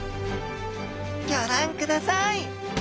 ギョ覧ください。